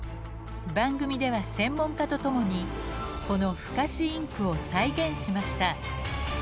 番組では専門家と共にこの不可視インクを再現しました。